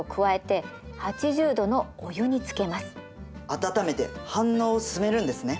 温めて反応を進めるんですね。